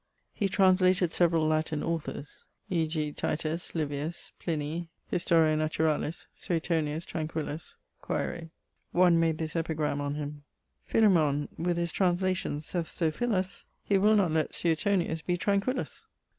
He translated severall Latin authors, e.g. Tit. Livius, Plinii Hist. Natur., Suetonius Tranquillus: quaere +. One made this epigram on him: 'Philêmon with 's translations doeth so fill us, He will not let SUETONIUS be TRANQUILLUS.'